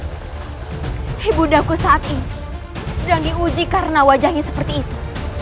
ibundaku saat ini sedang diuji karena wajahnya seperti itu